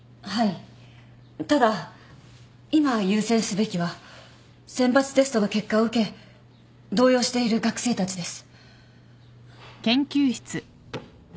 ただ今優先すべきは選抜テストの結果を受け動揺している学生たちです。